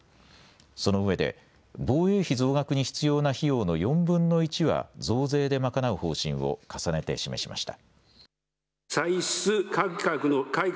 そのうえで防衛費増額に必要な費用の４分の１は増税で賄う方針を重ねて示しました。